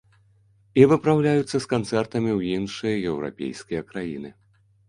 І выпраўляюцца з канцэртамі ў іншыя еўрапейскія краіны.